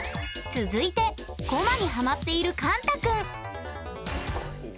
続いてコマにハマっているかんたくん。